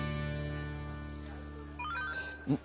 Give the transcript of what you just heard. うん？